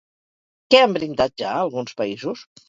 Què han brindat ja alguns països?